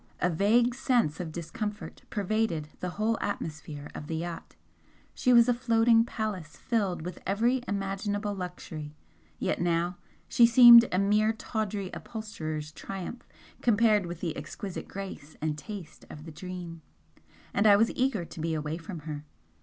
A vague sense of discomfort pervaded the whole atmosphere of the yacht, she was a floating palace filled with every imaginable luxury, yet now she seemed a mere tawdry upholsterer's triumph compared with the exquisite grace and taste of the 'Dream' and I was eager to be away from her.